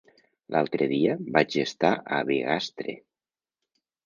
L'altre dia vaig estar a Bigastre.